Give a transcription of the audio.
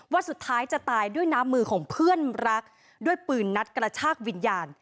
ว่าสุดท้ายจะตายด้วยน้ำมือของเพื่อนรักด้วยปืนนัดกระชากวิญญาณ